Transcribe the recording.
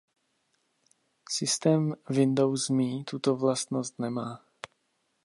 Systém Windows Me tuto vlastnost nemá.